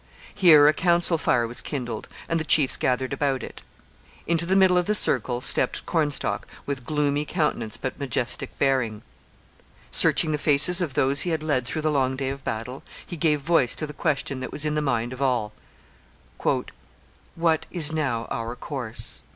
Here a council fire was kindled and the chiefs gathered about it. Into the middle of the circle stepped Cornstalk with gloomy countenance but majestic bearing. Searching the faces of those he had led through the long day of battle, he gave voice to the question that was in the mind of all 'What is now our course?'